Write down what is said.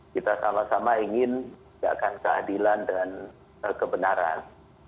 kita salah sama ingin kehadilan dan kebenaran